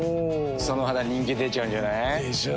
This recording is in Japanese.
その肌人気出ちゃうんじゃない？でしょう。